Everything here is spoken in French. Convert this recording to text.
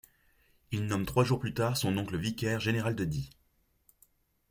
Il nomme trois jours plus tard son oncle vicaire général de Die.